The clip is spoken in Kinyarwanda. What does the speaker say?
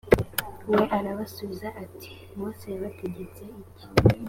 we arabasubiza ati mose yabategetse iki